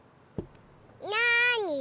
なに？